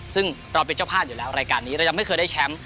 ซึ่งเราเป็นเจ้าภาพอยู่แล้วรายการนี้เรายังไม่เคยได้แชมป์